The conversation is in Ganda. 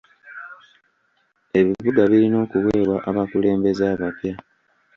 Ebibuga birina okuweebwa abakulembeze abapya .